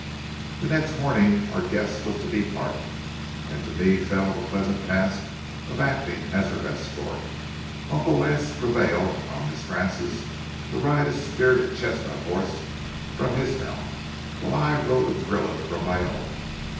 The next morning our guest was to depart, and to me fell the pleasant task of acting as her escort. Uncle Lance prevailed on Miss Frances to ride a spirited chestnut horse from his mount, while I rode a grulla from my own.